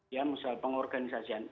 ya misal pengorganisasian